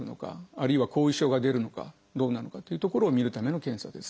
あるいは後遺症が出るのかどうなのかというところを診るための検査です。